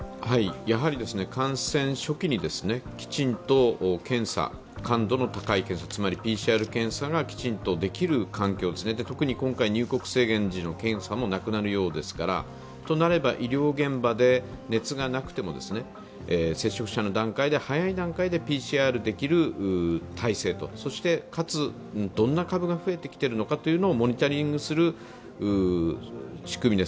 感染初期にきちんと感度の高いＰＣＲ検査がきちんとできる環境、特に今回、入国制限時の検査もなくなるようですから、となれば医療現場で熱がなくても接触者の段階で早い段階でＰＣＲできる体制、そして、かつ、どんな株が増えてきているのかというのをモニタリングする仕組み